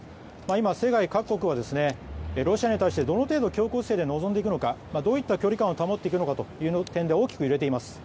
今、世界各国はロシアに対してどの程度強硬姿勢で臨んでいくのかどういった距離感で臨んでいくのか大きく揺れています。